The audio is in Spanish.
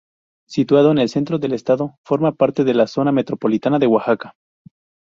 Situado en el centro del estado, forma parte de la Zona metropolitana de Oaxaca.